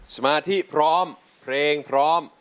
สมาธิพร้อมเพลงพร้อม